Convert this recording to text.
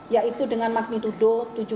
yaitu dengan magnitudo tujuh empat